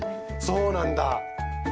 そうなんだ。